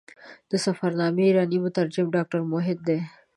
د سفرنامې ایرانی مترجم ډاکټر موحد دی.